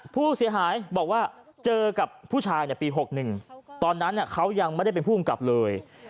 ผู้เสียหายบอกว่าเจอกับผู้ชายในปี๖๑ตอนนั้นเขายังไม่ได้เป็นผู้กำกับเลย